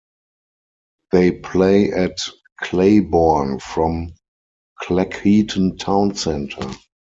They play at Clayborn, from Cleckheaton town centre.